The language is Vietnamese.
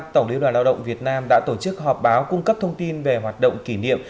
tổng liên đoàn lao động việt nam đã tổ chức họp báo cung cấp thông tin về hoạt động kỷ niệm